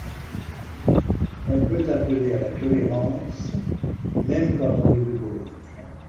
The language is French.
On peut 'appeler à la tolérance', même quand on est de gauche.